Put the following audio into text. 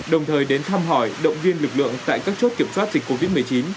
đồng thời đến thăm hỏi động viên lực lượng tại các chốt kiểm soát dịch covid một mươi chín